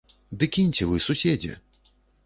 Ды кіньце вы, суседзе!